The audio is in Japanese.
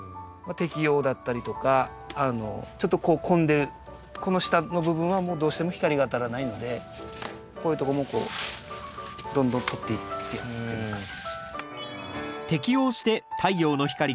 摘葉だったりとかちょっとこう混んでるこの下の部分はもうどうしても光が当たらないのでこういうとこもこうどんどんとっていってやるっていうような感じ。